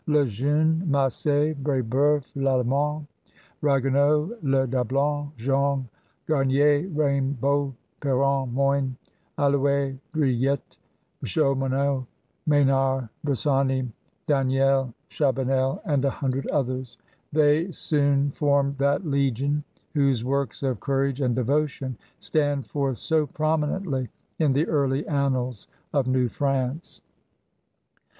Le Jeune, Mass^, Br^beuf, Lalemant, Bagueneau, Le Dablon, Jogues, Gamier, Raymbault, P^ron, Moyne, Allouez, Druilletes, Chaumonot, Menard, Bressani, Daniel, Chabanel, and a hundred others, — ^they soon formed that legion whose works of cour age and devotion stand forth so prominently in the early annals of New France.